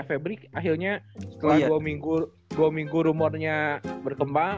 febri akhirnya setelah dua minggu rumornya berkembang